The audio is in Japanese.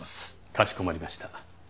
かしこまりました。